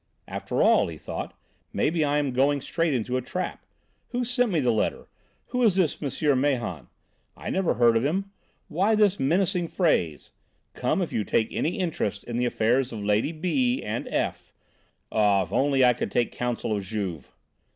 "After all," he thought, "maybe I am going straight into a trap. Who sent me the letter? Who is this M. Mahon? I never heard of him. Why this menacing phrase, 'Come, if you take any interest in the affairs of Lady B and F .' Oh, if only I could take counsel of Juve!"